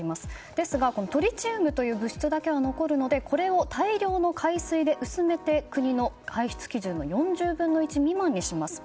ですが、トリチウムという物質だけは残るのでこれを大量の海水で薄めて国の排出基準の４０分の１未満にします。